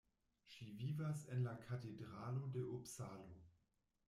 Ŝi vivas en la Katedralo de Upsalo.